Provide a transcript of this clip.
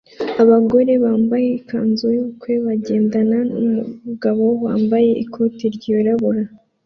Abagore bambaye ikanzu yubukwe bagendana numugabo wambaye ikoti ryirabura